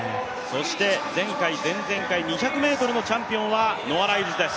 そして前回・前々回２００ｍのチャンピオンはノア・ライルズです。